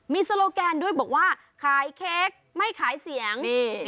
มีโซโลแกนด้วยบอกว่าขายเค้กไม่ขายเสียง